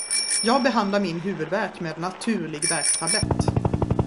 Jag behandlar min huvudvärk med naturlig värktablett.